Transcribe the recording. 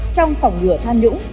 trong phòng ngừa tham nhũng